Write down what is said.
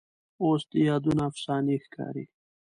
اوس دې یادونه افسانې ښکاري